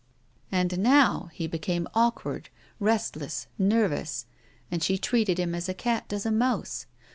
And now he became awkward, restless, nervous, and she treated him as a cat does a mouse.